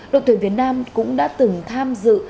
đội tuyển việt nam cũng đã từng tham dự